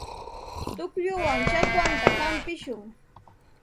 Tuqllawan chakwata hapishun.